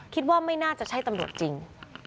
คิดว่าไม่น่าจะใช่ตำรวจจริง